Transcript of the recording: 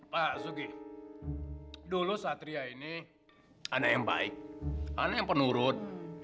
pak sugi dulu satria ini ada yang baik ada yang penurut